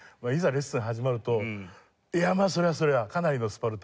レッスン始まるといやまあそれはそれはかなりのスパルタで。